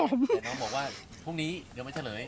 เดี๋ยวน้องบอกว่าพรุ่งนี้เดี๋ยวมาเฉลย